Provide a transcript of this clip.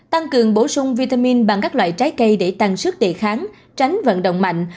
tăng cường bổ sung vitamin bằng các loại trái cây để tăng sức đề kháng tránh vận động mạnh